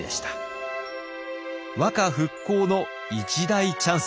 和歌復興の一大チャンス。